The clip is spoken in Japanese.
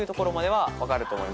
はい。